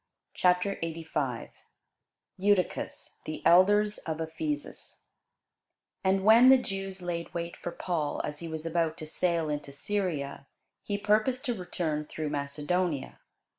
CHAPTER 85 EUTYCHUS THE ELDERS OF EPHESUS AND when the Jews laid wait for Paul, as he was about to sail into Syria, he purposed to return through Macedonia.